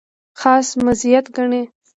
خاص مزیت ګڼي.